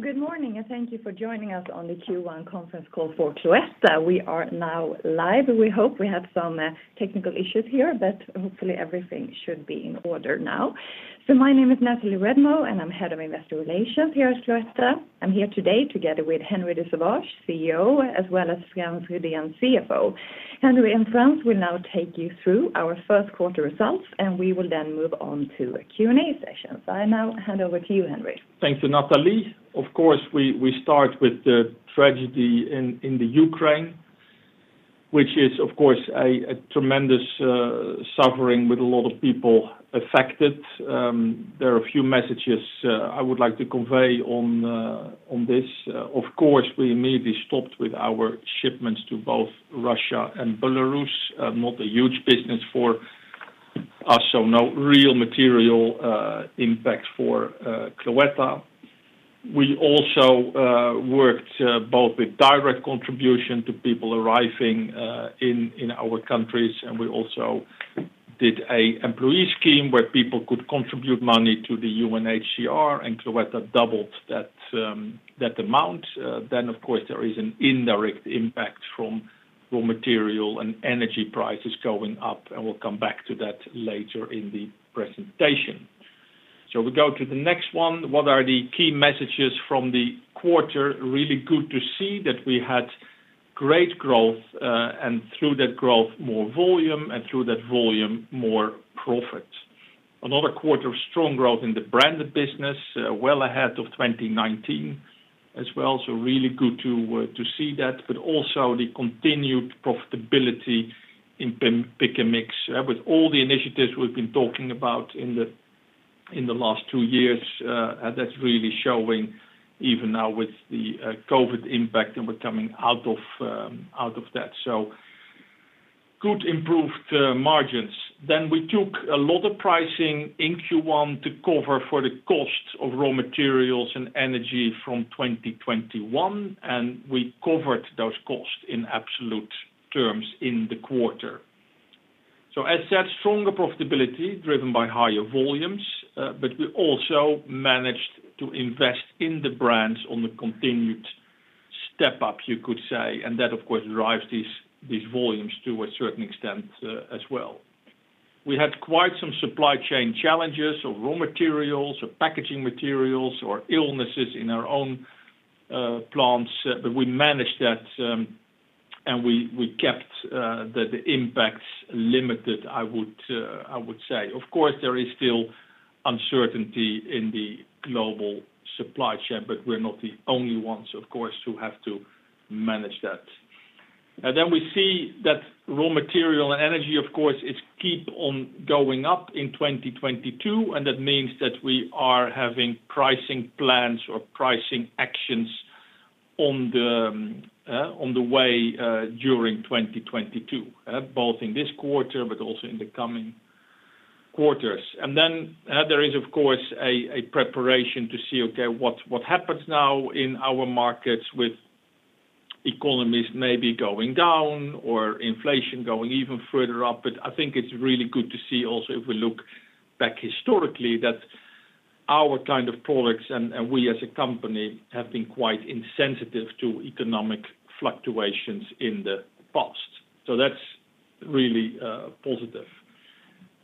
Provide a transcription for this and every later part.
Good morning, and thank you for joining us on the Q1 conference call for Cloetta. We are now live. We hope we had some technical issues here, but hopefully everything should be in order now. My name is Nathalie Redmo, and I'm Head of Investor Relations here at Cloetta. I'm here today together with Henri de Sauvage, CEO, as well as Frans Ryden, CFO. Henri and Frans will now take you through our first quarter results, and we will then move on to a Q&A session. I now hand over to you, Henri. Thanks to Nathalie. Of course, we start with the tragedy in the Ukraine, which is of course a tremendous suffering with a lot of people affected. There are a few messages I would like to convey on this. Of course, we immediately stopped with our shipments to both Russia and Belarus, not a huge business for us, so no real material impact for Cloetta. We also worked both with direct contribution to people arriving in our countries, and we also did an employee scheme where people could contribute money to the UNHCR, and Cloetta doubled that amount. Of course, there is an indirect impact from raw material and energy prices going up, and we'll come back to that later in the presentation. We go to the next one. What are the key messages from the quarter? Really good to see that we had great growth, and through that growth, more volume, and through that volume, more profit. Another quarter of strong growth in the branded business, well ahead of 2019 as well, so really good to see that. Also the continued profitability in Pick & Mix. With all the initiatives we've been talking about in the last two years, that's really showing even now with the COVID impact and we're coming out of that. Good improved margins. We took a lot of pricing in Q1 to cover for the cost of raw materials and energy from 2021, and we covered those costs in absolute terms in the quarter. As said, stronger profitability driven by higher volumes, but we also managed to invest in the brands on the continued step up, you could say, and that of course drives these volumes to a certain extent, as well. We had quite some supply chain challenges of raw materials or packaging materials or illnesses in our own plants, but we managed that, and we kept the impacts limited, I would say. Of course, there is still uncertainty in the global supply chain, but we're not the only ones, of course, who have to manage that. We see that raw material and energy, of course, it keep on going up in 2022, and that means that we are having pricing plans or pricing actions on the way during 2022, both in this quarter but also in the coming quarters. There is of course a preparation to see, okay, what happens now in our markets with economies maybe going down or inflation going even further up. I think it's really good to see also if we look back historically that our kind of products and we as a company have been quite insensitive to economic fluctuations in the past. That's really positive.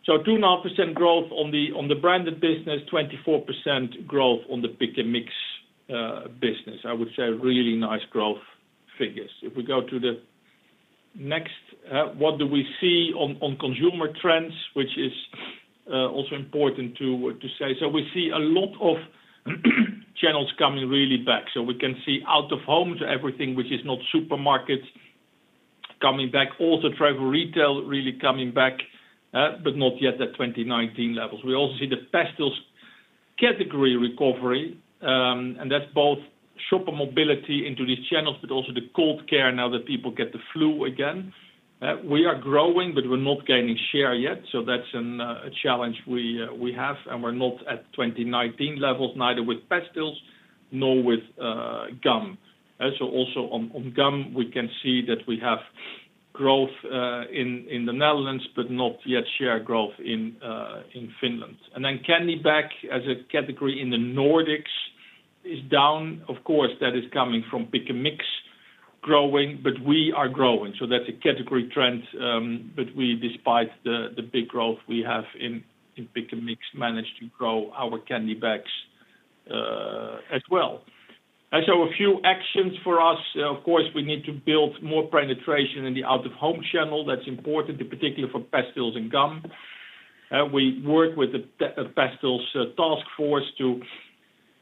2.5% growth on the Branded business, 24% growth on the Pick & Mix business. I would say really nice growth figures. If we go to the next, what do we see on consumer trends, which is also important to say. We see a lot of channels coming really back. We can see out of home to everything which is not supermarkets coming back. Also travel retail really coming back, but not yet at 2019 levels. We also see the pastilles category recovery, and that's both shopper mobility into these channels, but also the cold care now that people get the flu again. We are growing, but we're not gaining share yet, so that's a challenge we have, and we're not at 2019 levels neither with pastilles nor with gum. Also on gum, we can see that we have growth in the Netherlands, but not yet share growth in Finland. Candy bag as a category in the Nordics is down. Of course, that is coming from Pick & Mix growing, but we are growing. That's a category trend, but despite the big growth we have in Pick & Mix managed to grow our candy bags as well. A few actions for us. Of course, we need to build more penetration in the out-of-home channel. That's important, particularly for pastilles and gum. We work with the pastilles task force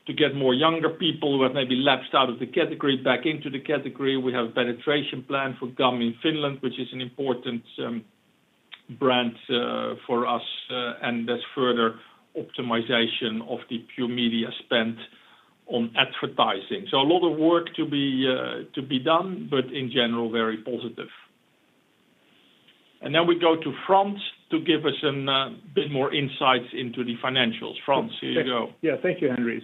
to get more younger people who have maybe lapsed out of the category back into the category. We have penetration plan for gum in Finland, which is an important brand for us, and there's further optimization of the paid media spend on advertising. A lot of work to be done, but in general, very positive. Then we go to Frans to give us a bit more insight into the financials. Frans, here you go. Yeah. Thank you, Henri.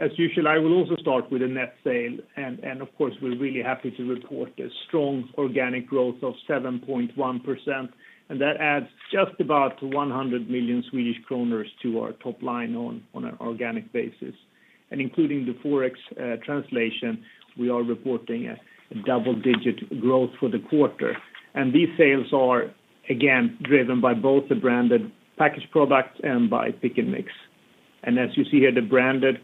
As usual, I will also start with the net sales. Of course, we're really happy to report a strong organic growth of 7.1%, and that adds just about 100 million Swedish kronor to our top line on an organic basis. Including the FX translation, we are reporting a double-digit growth for the quarter. These sales are again driven by both the branded packaged products and by Pick & Mix. As you see here, the branded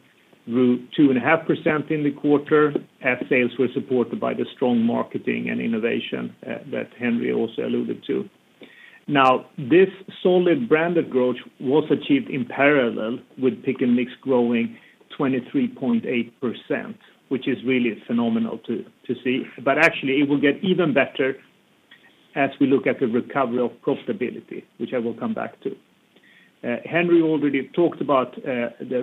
grew 2.5% in the quarter as sales were supported by the strong marketing and innovation that Henri also alluded to. Now, this solid branded growth was achieved in parallel with Pick & Mix growing 23.8%, which is really phenomenal to see. Actually it will get even better as we look at the recovery of profitability, which I will come back to. Henri already talked about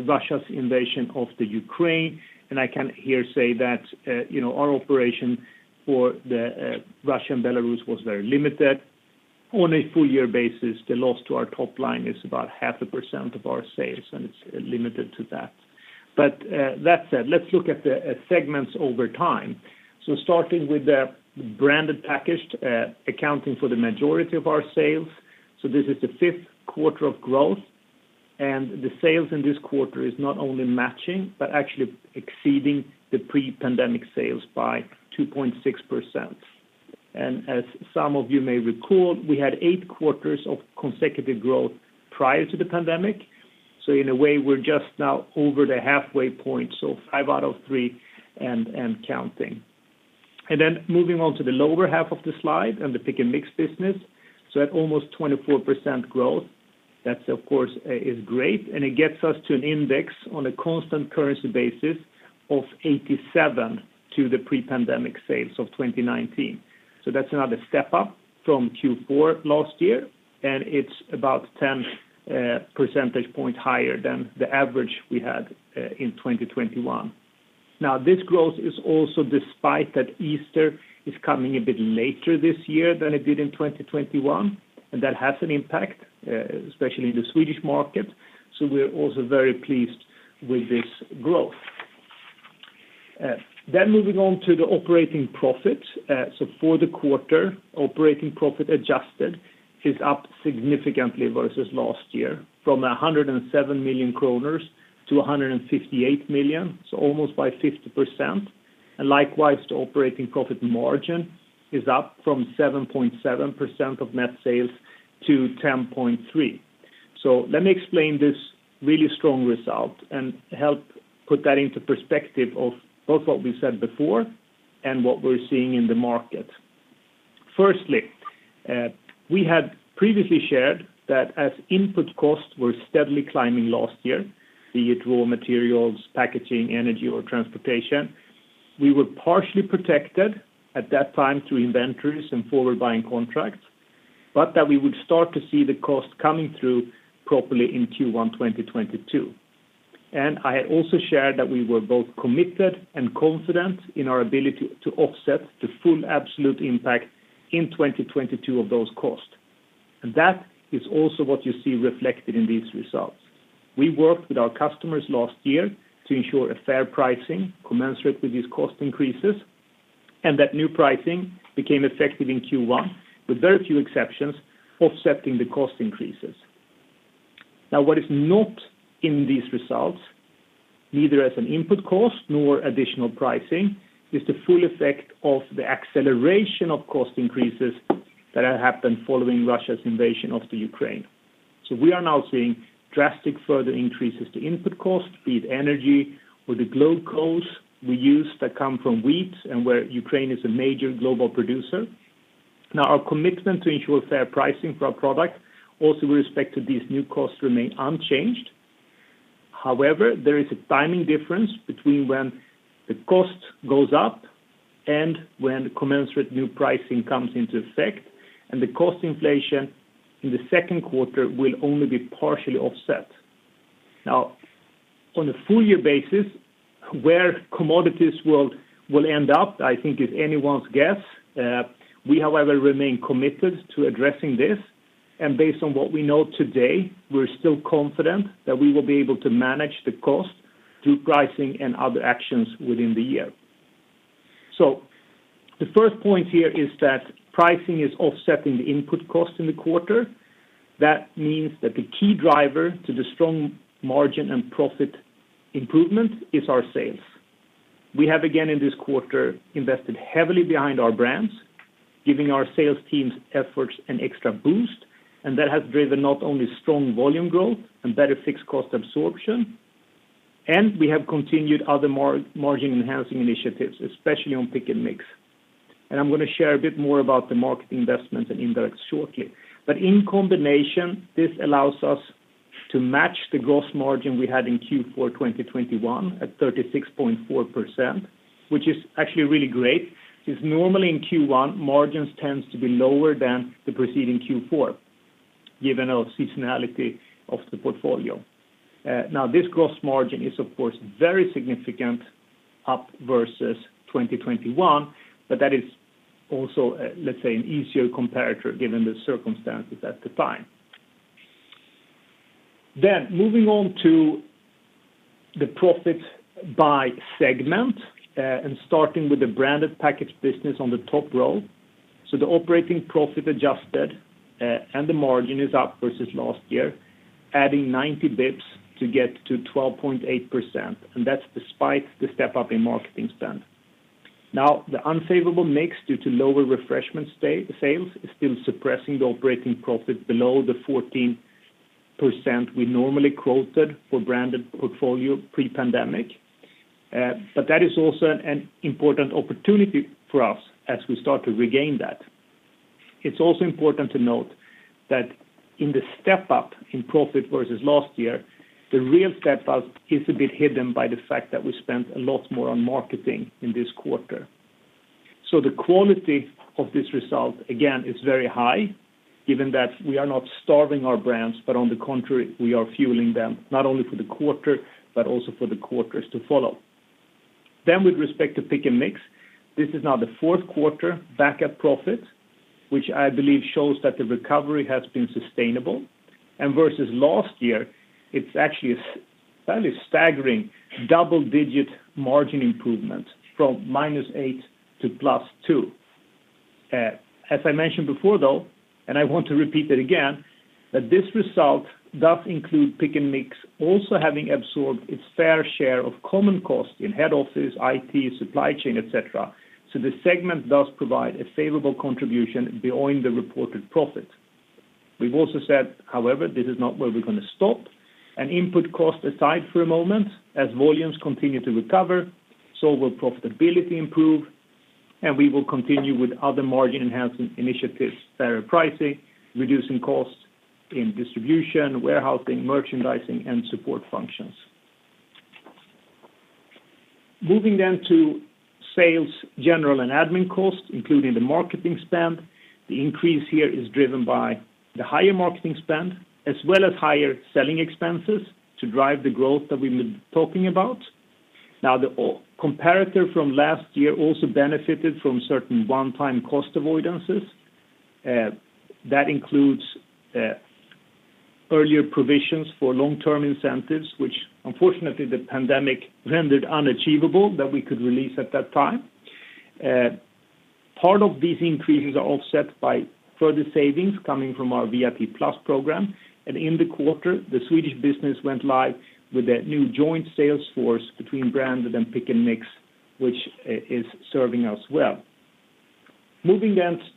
Russia's invasion of Ukraine, and I can here say that, you know, our operation for the Russia and Belarus was very limited. On a full year basis, the loss to our top line is about 0.5% of our sales, and it's limited to that. That said, let's look at the segments over time. Starting with the Branded Packaged, accounting for the majority of our sales. This is the fifth quarter of growth, and the sales in this quarter is not only matching but actually exceeding the pre-pandemic sales by 2.6%. As some of you may recall, we had eight quarters of consecutive growth prior to the pandemic. In a way, we're just now over the halfway point, so five out of three and counting. Then moving on to the lower half of the slide and the Pick & Mix business. At almost 24% growth, that's of course is great, and it gets us to an index on a constant currency basis of 87 to the pre-pandemic sales of 2019. That's another step up from Q4 last year, and it's about 10% point higher than the average we had in 2021. Now, this growth is also despite that Easter is coming a bit later this year than it did in 2021, and that has an impact, especially in the Swedish market. We're also very pleased with this growth. Then moving on to the operating profit. For the quarter, operating profit adjusted is up significantly versus last year, from 107 million kronor to 158 million, almost by 50%. Likewise, the operating profit margin is up from 7.7% of net sales to 10.3%. Let me explain this really strong result and help put that into perspective of both what we said before and what we're seeing in the market. Firstly, we had previously shared that as input costs were steadily climbing last year, be it raw materials, packaging, energy, or transportation, we were partially protected at that time through inventories and forward buying contracts, but that we would start to see the cost coming through properly in Q1 2022. I had also shared that we were both committed and confident in our ability to offset the full absolute impact in 2022 of those costs. That is also what you see reflected in these results. We worked with our customers last year to ensure a fair pricing commensurate with these cost increases, and that new pricing became effective in Q1 with very few exceptions, offsetting the cost increases. Now, what is not in these results, neither as an input cost nor additional pricing, is the full effect of the acceleration of cost increases that have happened following Russia's invasion of Ukraine. We are now seeing drastic further increases to input costs, be it energy or the glucose we use that come from wheat and where Ukraine is a major global producer. Now, our commitment to ensure fair pricing for our product also with respect to these new costs remain unchanged. However, there is a timing difference between when the cost goes up and when the commensurate new pricing comes into effect, and the cost inflation in the second quarter will only be partially offset. Now, on a full-year basis, where commodities will end up, I think is anyone's guess. We, however, remain committed to addressing this. Based on what we know today, we're still confident that we will be able to manage the cost through pricing and other actions within the year. The first point here is that pricing is offsetting the input cost in the quarter. That means that the key driver to the strong margin and profit improvement is our sales. We have, again in this quarter, invested heavily behind our brands, giving our sales teams' efforts an extra boost, and that has driven not only strong volume growth and better fixed cost absorption, and we have continued other margin enhancing initiatives, especially on Pick & Mix. I'm gonna share a bit more about the marketing investments and indirect shortly. In combination, this allows us to match the gross margin we had in Q4 2021 at 36.4%, which is actually really great, since normally in Q1, margins tends to be lower than the preceding Q4, given our seasonality of the portfolio. Now this gross margin is of course very significant up versus 2021, but that is also, let's say an easier comparator given the circumstances at the time. Moving on to the profit by segment, and starting with the Branded Packaged business on the top row. The operating profit adjusted, and the margin is up versus last year, adding 90 basis points to get to 12.8%, and that's despite the step-up in marketing spend. Now, the unfavorable mix due to lower refreshment sales is still suppressing the operating profit below the 14% we normally quoted for Branded portfolio pre-pandemic. That is also an important opportunity for us as we start to regain that. It's also important to note that in the step-up in profit versus last year, the real step-up is a bit hidden by the fact that we spent a lot more on marketing in this quarter. The quality of this result, again, is very high given that we are not starving our brands, but on the contrary, we are fueling them, not only for the quarter, but also for the quarters to follow. With respect to Pick & Mix, this is now the fourth quarter back at profit, which I believe shows that the recovery has been sustainable. Versus last year, it's actually a fairly staggering double-digit margin improvement from -8% to +2%. As I mentioned before, though, and I want to repeat it again, that this result does include Pick & Mix also having absorbed its fair share of common costs in head office, IT, supply chain, et cetera. The segment does provide a favorable contribution behind the reported profit. We've also said, however, this is not where we're gonna stop. Input cost aside for a moment, as volumes continue to recover, so will profitability improve, and we will continue with other margin enhancement initiatives, better pricing, reducing costs in distribution, warehousing, merchandising, and support functions. Moving to sales, general, and admin costs, including the marketing spend. The increase here is driven by the higher marketing spend, as well as higher selling expenses to drive the growth that we've been talking about. Now, the comparator from last year also benefited from certain one-time cost avoidances. That includes earlier provisions for long-term incentives, which unfortunately, the pandemic rendered unachievable that we could release at that time. Part of these increases are offset by further savings coming from our VIP Plus program. In the quarter, the Swedish business went live with a new joint sales force between Branded and Pick & Mix, which is serving us well. Moving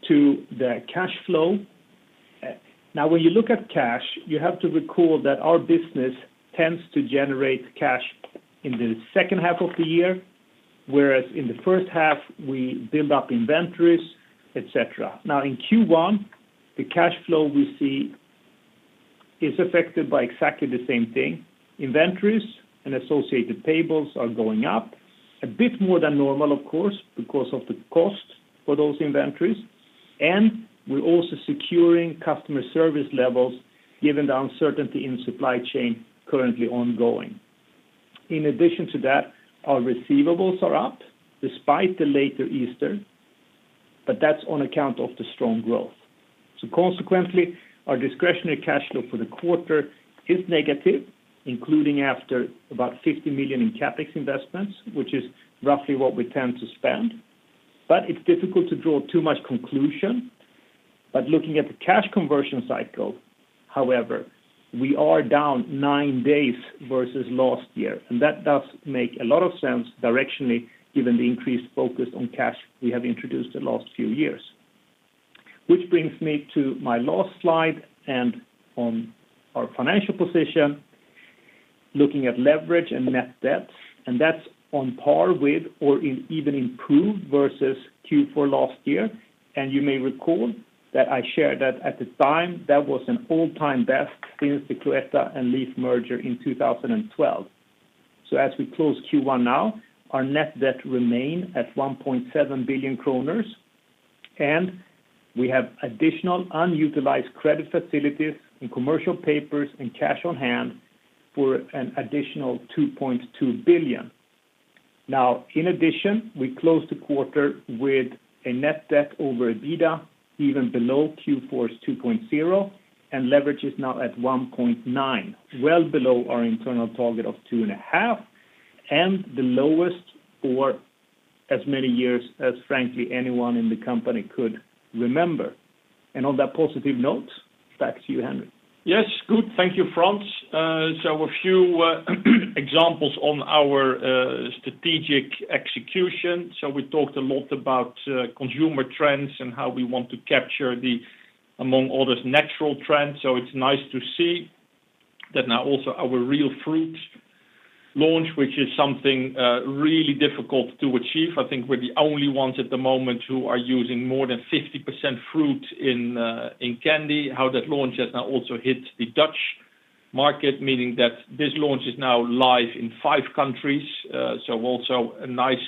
to the cash flow. Now when you look at cash, you have to recall that our business tends to generate cash in the second half of the year, whereas in the first half, we build up inventories, et cetera. Now in Q1, the cash flow we see is affected by exactly the same thing. Inventories and associated payables are going up a bit more than normal, of course, because of the cost for those inventories. We're also securing customer service levels given the uncertainty in supply chain currently ongoing. In addition to that, our receivables are up despite the later Easter, but that's on account of the strong growth. Consequently, our discretionary cash flow for the quarter is negative, including after about 50 million in CapEx investments, which is roughly what we tend to spend. It's difficult to draw too much conclusion. Looking at the cash conversion cycle, however, we are down nine days versus last year, and that does make a lot of sense directionally given the increased focus on cash we have introduced the last few years. Which brings me to my last slide and on our financial position, looking at leverage and net debt, and that's on PAR with or in even improved versus Q4 last year. You may recall that I shared that at the time, that was an all-time best since the Cloetta and LEAF merger in 2012. As we close Q1 now, our net debt remain at 1.7 billion kronor, and we have additional unutilized credit facilities in commercial papers and cash on hand for an additional 2.2 billion. Now, in addition, we closed the quarter with a net debt over EBITDA even below Q4's 2.0, and leverage is now at 1.9, well below our internal target of 2.5, and the lowest for as many years as frankly anyone in the company could remember. On that positive note, back to you, Henri. Yes. Good. Thank you, Frans. A few examples on our strategic execution. We talked a lot about consumer trends and how we want to capture them among all those natural trends. It's nice to see that now also our Real Fruit launch, which is something really difficult to achieve. I think we're the only ones at the moment who are using more than 50% fruit in candy. That launch has now also hit the Dutch market, meaning that this launch is now live in five countries. Also a nice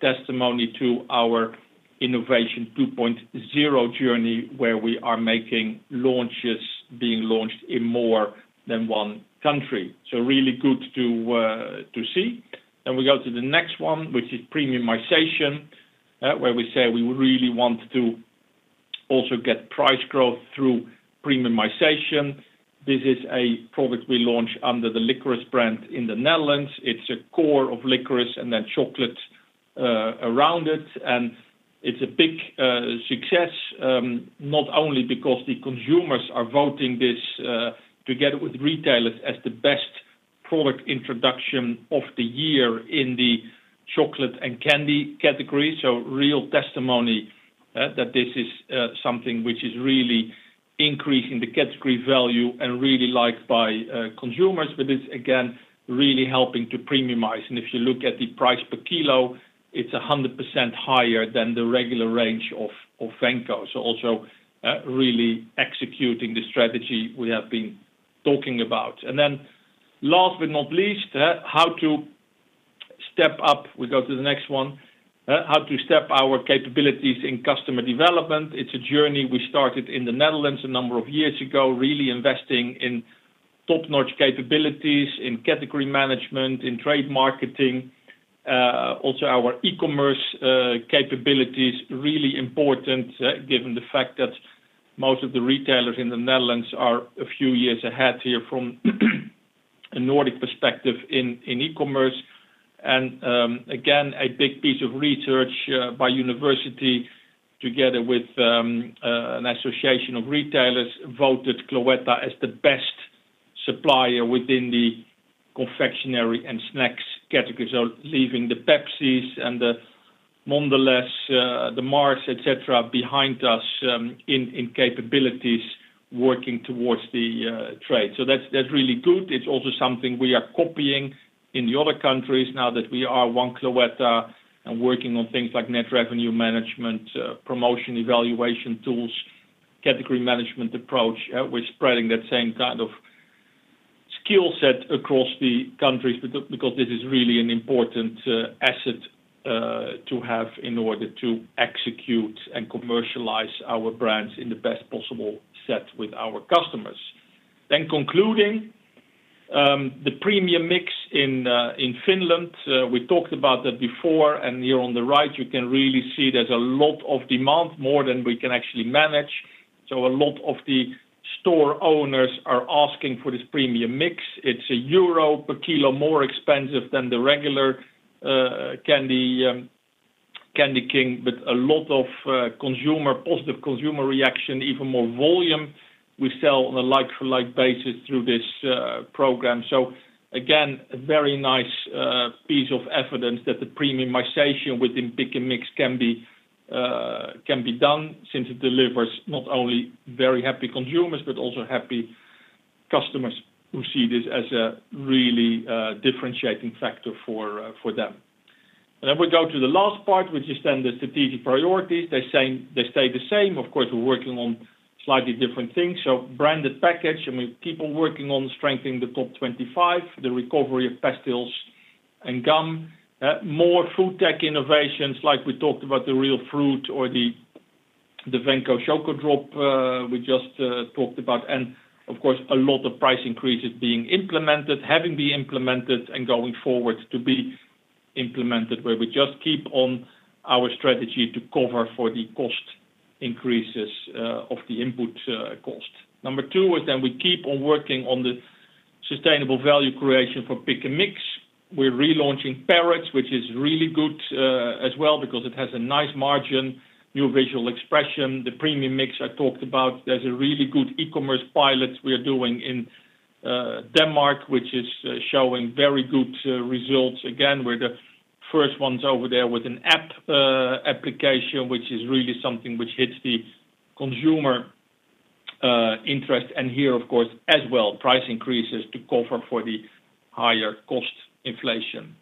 testimony to our Innovation 2.0 journey, where we are making launches being launched in more than one country. Really good to see. We go to the next one, which is premiumization, where we say we really want to also get price growth through premiumization. This is a product we launched under the Venco brand in the Netherlands. It's a core of licorice and then chocolate around it, and it's a big success, not only because the consumers are voting this together with retailers as the best product introduction of the year in the chocolate and candy category. Real testimony that this is something which is really increasing the category value and really liked by consumers. It's again really helping to premiumize. If you look at the price per kilo, it's 100% higher than the regular range of Venco. Also really executing the strategy we have been talking about. Last but not least, how to step up. We go to the next one. How to step up our capabilities in customer development. It's a journey we started in the Netherlands a number of years ago, really investing in top-notch capabilities, in category management, in trade marketing. Also our e-commerce capabilities, really important, given the fact that most of the retailers in the Netherlands are a few years ahead here from a Nordic perspective in e-commerce. Again, a big piece of research by university together with an Association of Retailers voted Cloetta as the best supplier within the confectionery and snacks category. Leaving the Pepsis and the Mondelēz, the Mars, et cetera, behind us in capabilities working towards the trade. That's really good. It's also something we are copying in the other countries now that we are one Cloetta and working on things like net revenue management, promotion evaluation tools, category management approach. We're spreading that same kind of skill set across the countries because this is really an important asset to have in order to execute and commercialize our brands in the best possible set with our customers. Concluding the premium mix in Finland, we talked about that before, and here on the right you can really see there's a lot of demand, more than we can actually manage. A lot of the store owners are asking for this premium mix. It's EUR 1 per kilo more expensive than the regular candy, but a lot of consumer positive consumer reaction, even more volume we sell on a like-for-like basis through this program. Again, a very nice piece of evidence that the premiumization within pick and mix can be done since it delivers not only very happy consumers, but also happy customers who see this as a really differentiating factor for them. Then we go to the last part, which is the strategic priorities. They're the same. They stay the same. Of course, we're working on slightly different things. Branded package, I mean, people working on strengthening the top 25, the recovery of pastilles and gum. More food tech innovations like we talked about the Real Fruit or the Venco Choco D'rop we just talked about. Of course, a lot of price increases being implemented, having been implemented and going forward to be implemented, where we just keep on our strategy to cover for the cost increases of the input cost. Number two was then we keep on working on the sustainable value creation for Pick & Mix. We're relaunching Parrots, which is really good as well because it has a nice margin, new visual expression. The premium mix I talked about. There's a really good e-commerce pilot we are doing in Denmark, which is showing very good results. Again, we're the first ones over there with an app application, which is really something which hits the consumer interest. Here, of course, as well, price increases to cover for the higher cost inflation.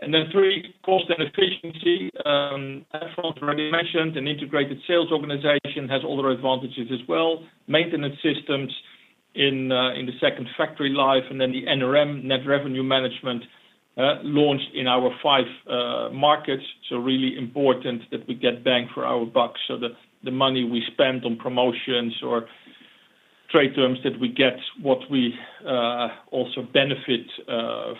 Then three, cost and efficiency. Henri already mentioned an integrated sales organization has other advantages as well. Maintenance systems in the second factory line, and then the NRM, net revenue management, launched in our five markets. Really important that we get bang for our buck so that the money we spend on promotions or trade terms, that we get what we also benefit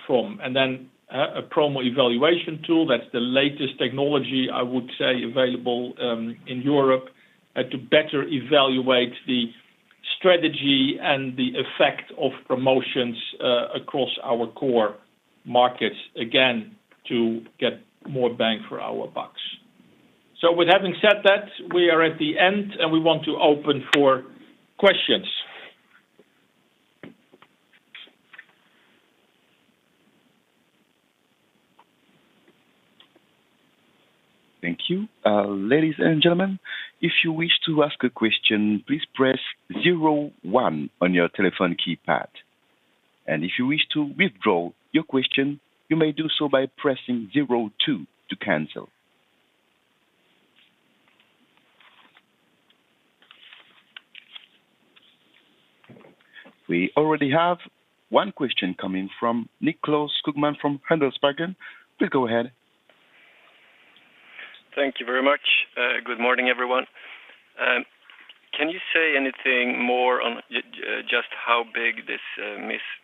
from. Then a promo evaluation tool, that's the latest technology, I would say, available in Europe to better evaluate the strategy and the effect of promotions across our core markets, again, to get more bang for our bucks. With having said that, we are at the end, and we want to open for questions. Thank you. Uh, ladies and gentlemen, if you wish to ask a question, please press Zero one on your telephone keypad. And if you wish to withdraw your question, you may do so by pressing Zero two to cancel. We already have one question coming from Nicklas Skogman from Handelsbanken. Please go ahead. Thank you very much. Good morning, everyone. Can you say anything more on just how big this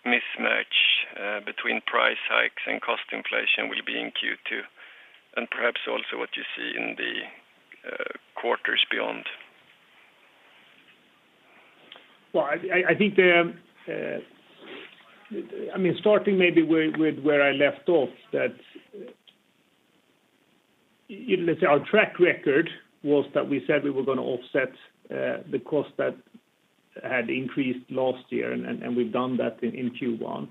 mismatch between price hikes and cost inflation will be in Q2, and perhaps also what you see in the quarters beyond? Well, I think I mean, starting maybe where I left off that, you know, let's say our track record was that we said we were gonna offset the cost that had increased last year, and we've done that in Q1.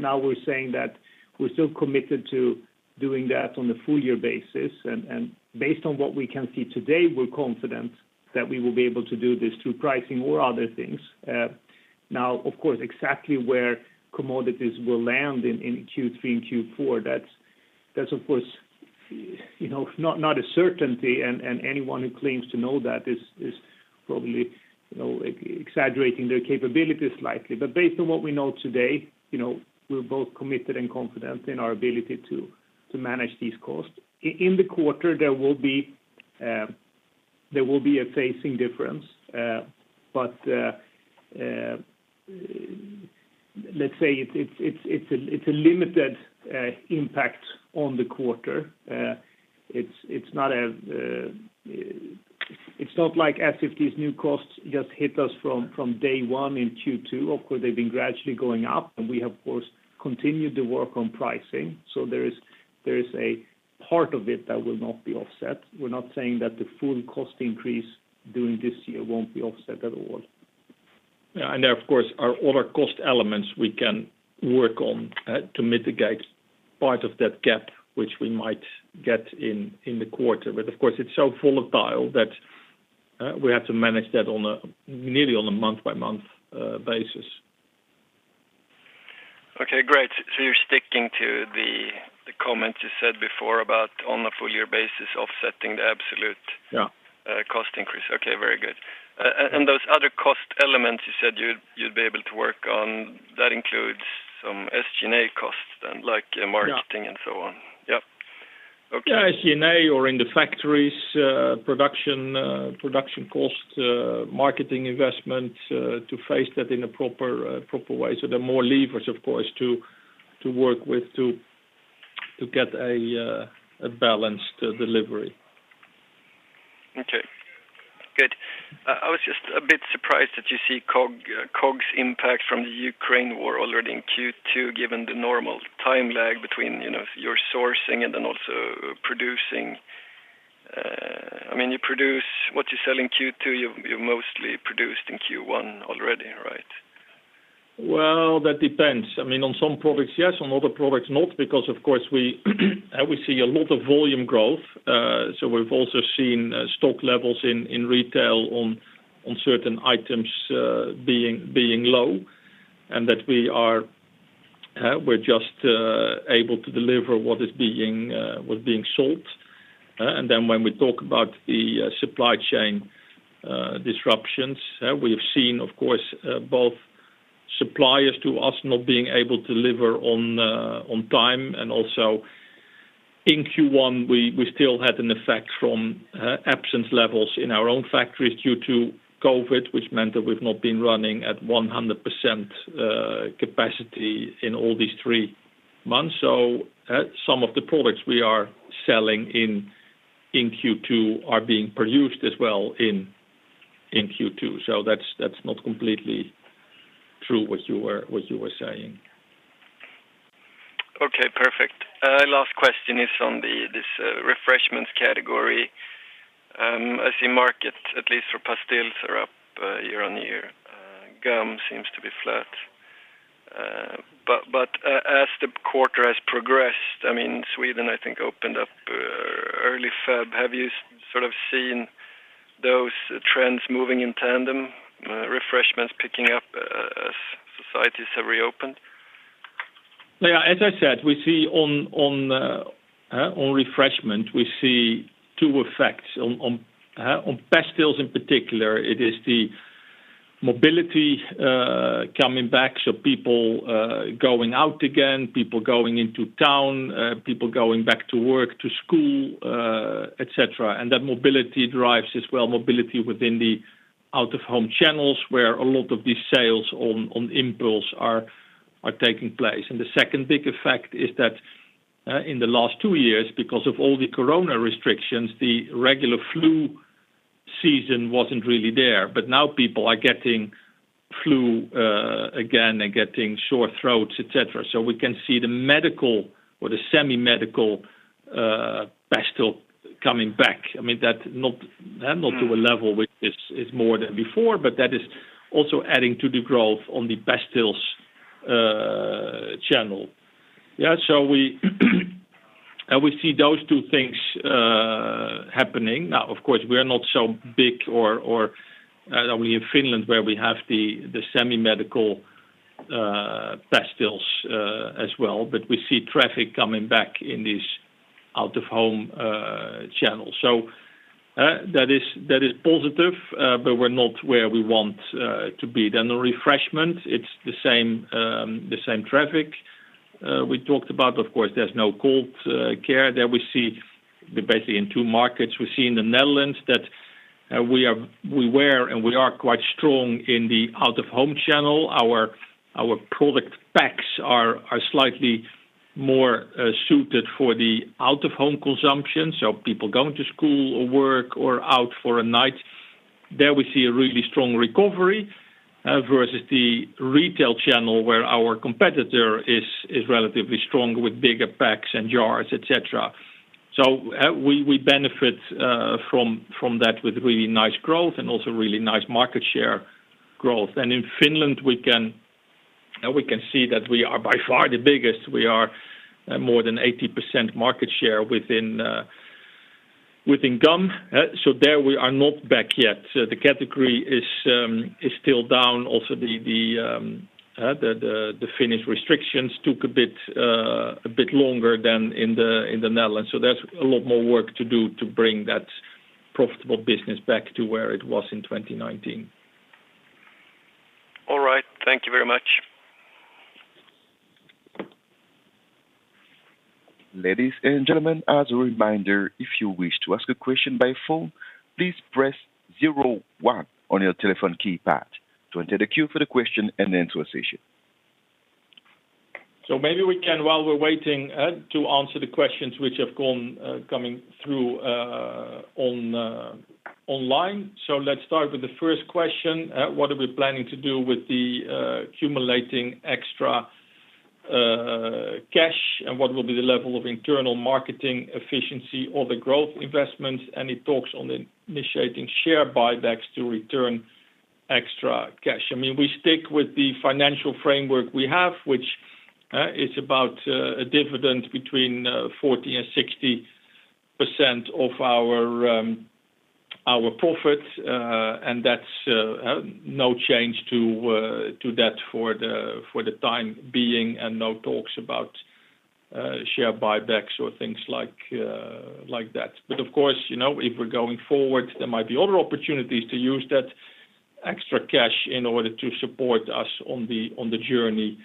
Now we're saying that we're still committed to doing that on a full-year basis. Based on what we can see today, we're confident that we will be able to do this through pricing or other things. Now, of course, exactly where commodities will land in Q3 and Q4, that's of course, you know, not a certainty and anyone who claims to know that is probably, you know, exaggerating their capabilities slightly. Based on what we know today, you know, we're both committed and confident in our ability to manage these costs. In the quarter, there will be a phasing difference, but let's say it's a limited impact on the quarter. It's not like as if these new costs just hit us from day one in Q2. Of course, they've been gradually going up, and we have, of course, continued to work on pricing. There is a part of it that will not be offset. We're not saying that the full cost increase during this year won't be offset at all. Yeah. There, of course, are other cost elements we can work on to mitigate part of that gap, which we might get in the quarter. Of course, it's so volatile that we have to manage that nearly on a month-by-month basis. Okay, great. You're sticking to the comment you said before about on a full-year basis offsetting the absolute- Yeah cost increase. Okay, very good. Those other cost elements you said you'd be able to work on, that includes some SG&A costs then, like marketing. Yeah So on. Yep. Okay. Yeah, SG&A or in the factories, production costs, marketing investment, to face that in a proper way. There are more levers, of course, to work with to get a balanced delivery. Okay, good. I was just a bit surprised that you see COGS impact from the Ukraine war already in Q2, given the normal time lag between, you know, your sourcing and then also producing. I mean, you produce what you sell in Q2, you mostly produced in Q1 already, right? Well, that depends. I mean, on some products, yes, on other products, not. Because of course, we see a lot of volume growth. We've also seen stock levels in retail on certain items being low, and that we're just able to deliver what's being sold. When we talk about the supply chain disruptions, we have seen, of course, both suppliers to us not being able to deliver on time, and also in Q1, we still had an effect from absence levels in our own factories due to COVID, which meant that we've not been running at 100% capacity in all these three months. Some of the products we are selling in Q2 are being produced as well in Q2. That's not completely true what you were saying. Okay, perfect. Last question is on this refreshments category. I see markets, at least for pastilles, are up year-on-year. Gum seems to be flat. But as the quarter has progressed, I mean, Sweden, I think, opened up early February. Have you sort of seen those trends moving in tandem, refreshments picking up as societies have reopened? Yeah. As I said, we see on refreshment two effects. On pastilles in particular, it is the mobility coming back, so people going out again, people going into town, people going back to work, to school, etc. That mobility drives as well mobility within the out-of-home channels, where a lot of these sales on impulse are taking place. The second big effect is that in the last two years, because of all the corona restrictions, the regular flu season wasn't really there. Now people are getting flu again and getting sore throats, etc. We can see the medical or the semi-medical pastille coming back. I mean, that not to a level which is more than before, but that is also adding to the growth on the pastilles channel. Yeah. We see those two things happening. Now, of course, we are not so big or only in Finland where we have the semi-medical pastilles as well, but we see traffic coming back in this out-of-home channel. That is positive, but we're not where we want to be. The refreshment, it's the same traffic we talked about. Of course, there's no cold care there. We see basically in two markets. We see in the Netherlands that we were and we are quite strong in the out-of-home channel. Our product packs are slightly more suited for the out-of-home consumption, so people going to school, or work, or out for a night. There we see a really strong recovery versus the retail channel where our competitor is relatively strong with bigger packs and jars, et cetera. We benefit from that with really nice growth and also really nice market share growth. In Finland, we can see that we are by far the biggest. We are more than 80% market share within gum. There we are not back yet. The category is still down. The Finnish restrictions took a bit longer than in the Netherlands. There's a lot more work to do to bring that profitable business back to where it was in 2019. All right. Thank you very much. Ladies and gentlemen, as a reminder, if you wish to ask a question by phone, please press Zero one on your telephone keypad to enter the queue for the question-and-answer session. Maybe we can, while we're waiting, to answer the questions which have been coming through online. Let's start with the first question. What are we planning to do with the accumulating extra cash, and what will be the level of internal marketing efficiency or the growth investments? Any talks on initiating share buybacks to return extra cash. I mean, we stick with the financial framework we have, which is about a dividend between 40% and 60% of our profits. And that's no change to that for the time being, and no talks about share buybacks or things like that. Of course, you know, if we're going forward, there might be other opportunities to use that extra cash in order to support us on the journey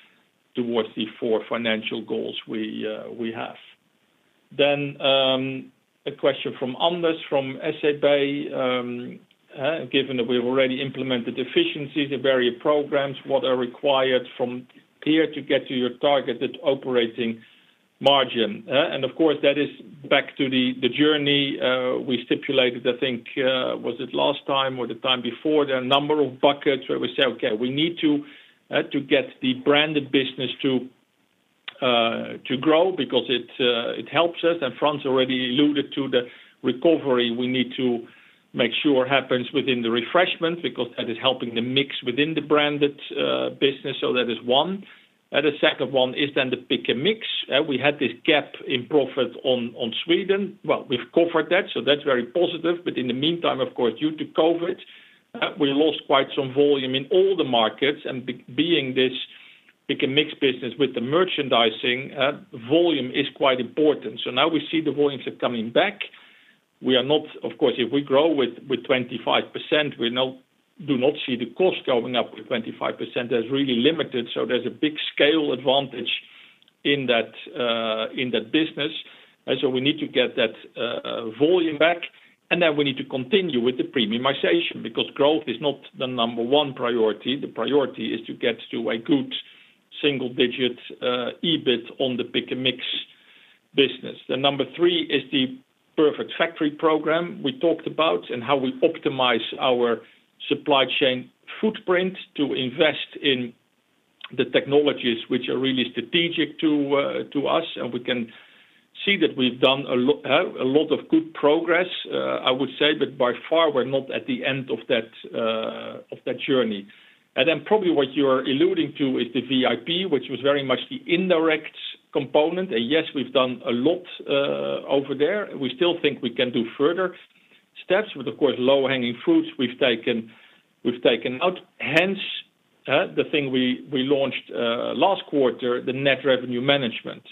towards the four financial goals we have. A question from Anders from SEB. Given that we've already implemented efficiencies in various programs, what are required from here to get to your targeted operating margin? Of course, that is back to the journey we stipulated, I think, was it last time or the time before? There are a number of buckets where we say, Okay, we need to get the Branded business to grow because it helps us. Frans already alluded to the recovery we need to make sure happens within the refreshment because that is helping the mix within the Branded business, so that is one. The second one is the pick and mix. We had this gap in profit on Sweden. Well, we've covered that, so that's very positive. In the meantime, of course, due to COVID, we lost quite some volume in all the markets. Being this Pick & Mix business with the merchandising, volume is quite important. Now we see the volumes are coming back. We are not. Of course, if we grow with 25%, we do not see the cost going up with 25%. That is really limited, so there's a big scale advantage in that business. We need to get that volume back, and then we need to continue with the premiumization because growth is not the number one priority. The priority is to get to a good single-digit EBIT on the Pick & Mix business. The number three is the Perfect Factory program we talked about and how we optimize our supply chain footprint to invest in the technologies which are really strategic to us. We can see that we've done a lot of good progress, I would say, but by far we're not at the end of that journey. Probably what you're alluding to is the VIP, which was very much the indirect component. Yes, we've done a lot over there. We still think we can do further steps with, of course, low-hanging fruits we've taken out, hence the thing we launched last quarter, the net revenue management.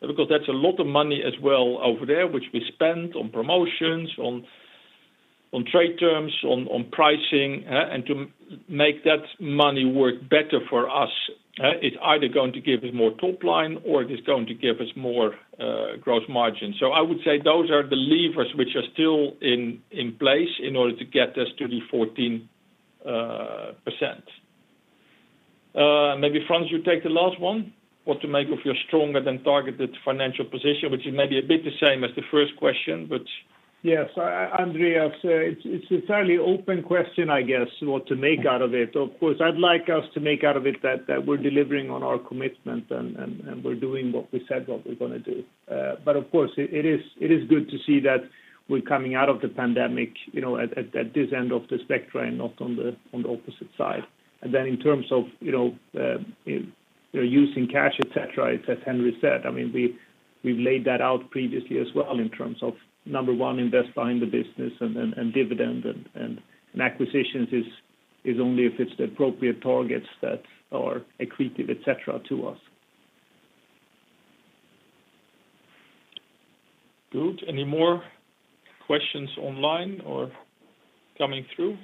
Because that's a lot of money as well over there, which we spend on promotions, on trade terms, on pricing, and to make that money work better for us. It's either going to give us more top line or it is going to give us more gross margin. I would say those are the levers which are still in place in order to get us to the 14%. Maybe Frans, you take the last one, what to make of your stronger than targeted financial position, which is maybe a bit the same as the first question, but. Yes. Anders, it's a fairly open question, I guess, what to make out of it. Of course, I'd like us to make out of it that we're delivering on our commitment and we're doing what we said what we're gonna do. Of course it is good to see that we're coming out of the pandemic, you know, at this end of the spectrum and not on the opposite side. Then in terms of, you know, using cash, et cetera, it's as Henri said, I mean, we've laid that out previously as well in terms of, number one, invest behind the business and then dividend and acquisitions is only if it's the appropriate targets that are accretive, et cetera, to us. Good. Any more questions online or coming through?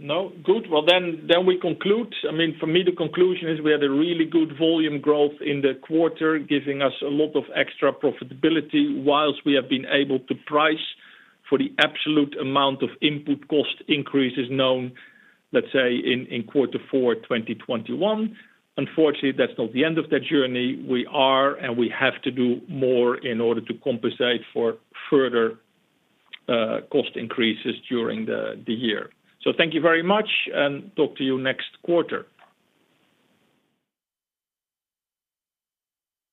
No? Good. Well, then we conclude. I mean, for me, the conclusion is we had a really good volume growth in the quarter, giving us a lot of extra profitability whilst we have been able to price for the absolute amount of input cost increases known, let's say, in quarter four 2021. Unfortunately, that's not the end of the journey. We are and we have to do more in order to compensate for further cost increases during the year. Thank you very much and talk to you next quarter.